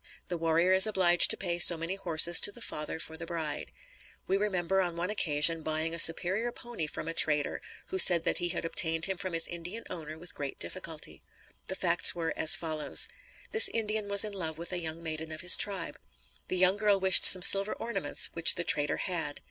The warrior is obliged to pay so many horses to the father for the bride. We remember, on one occasion, buying a superior pony from a trader, who said that he had obtained him from his Indian owner with great difficulty. The facts were as follows: This Indian was in love with a young maiden of his tribe. The young girl wished some silver ornaments which the trader had.